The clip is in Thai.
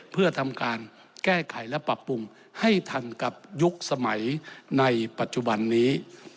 เพื่อทำการแก้ไขและปรับปรุงให้ทันกับยุคสมัยในปัจจุบันนี้